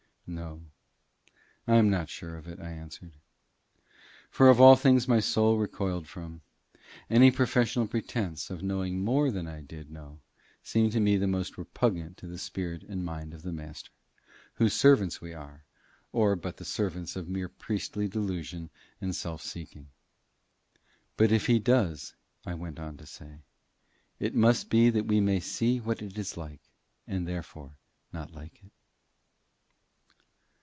"No. I am not sure of it," I answered. For of all things my soul recoiled from, any professional pretence of knowing more than I did know seemed to me the most repugnant to the spirit and mind of the Master, whose servants we are, or but the servants of mere priestly delusion and self seeking. "But if he does," I went on to say, "it must be that we may see what it is like, and therefore not like it."